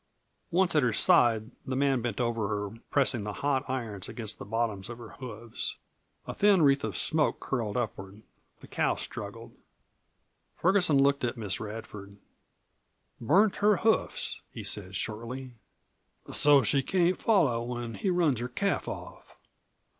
Once at her side the man bent over her, pressing the hot irons against the bottoms of her hoofs. A thin wreath of smoke curled upward; the cow struggled. Ferguson looked at Miss Radford. "Burnt her hoofs," he said shortly, "so she can't follow when he runs her calf off."